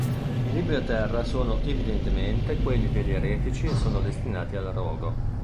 I libri a terra sono evidentemente quelli degli eretici e sono destinati al rogo.